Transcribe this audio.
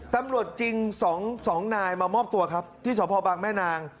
ตำรวจจริง๒นายมามอบตัวครับที่สพบังแม่นาง